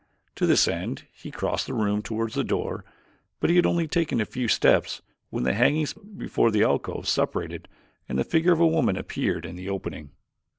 To this end he crossed the room toward the door but he had taken only a few steps when the hangings before the alcove separated and the figure of a woman appeared in the opening.